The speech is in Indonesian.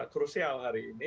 krusial hari ini